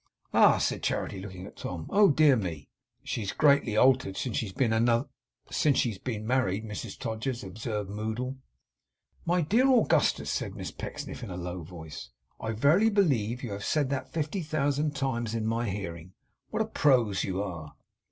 'Ah!' said Charity, looking at Tom. 'Oh, dear me!' 'She's greatly altered since she's been Anoth since she's been married, Mrs Todgers!' observed Moddle. 'My dear Augustus!' said Miss Pecksniff, in a low voice. 'I verily believe you have said that fifty thousand times, in my hearing. What a Prose you are!